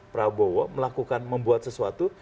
prabowo melakukan membuat sesuatu